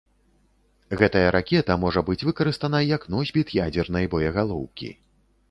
Гэтая ракета можа быць выкарыстана як носьбіт ядзернай боегалоўкі.